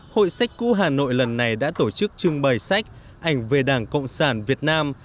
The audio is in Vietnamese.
hội sách cũ hà nội lần này đã tổ chức trưng bày sách ảnh về đảng cộng sản việt nam